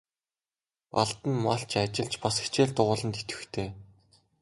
Балдан нь малч, ажилч, бас хичээл дугуйланд идэвхтэй.